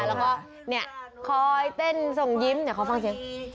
แล้วก็เนี่ยคอยเต้นส่งยิ้มเดี๋ยวขอฟังเสียง